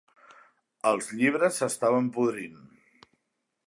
Els llibres s'estaven podrint.